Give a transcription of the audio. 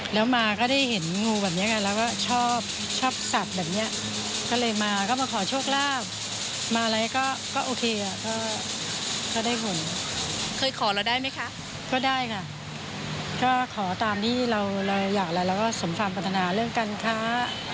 แล้วก็สมความปัฒนะเรื่องการค้า